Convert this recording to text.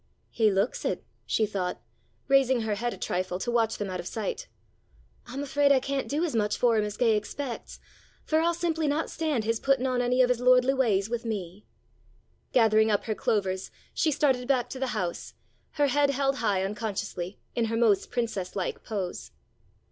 "He looks it," she thought, raising her head a trifle to watch them out of sight. "I'm afraid I can't do as much for him as Gay expects for I'll simply not stand his putting on any of his lordly ways with me." Gathering up her clovers, she started back to the house, her head held high unconsciously, in her most Princess like pose.